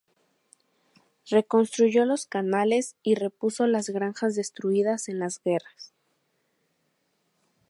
Reconstruyó los canales y repuso las granjas destruidas en las guerras.